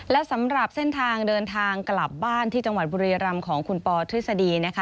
และสำหรับเส้นทางเดินทางกลับบ้านที่จังหวัดบุรีรำของคุณปอทฤษฎีนะคะ